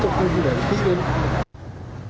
vụ tai nạn làm hai xe hư hỏng nặng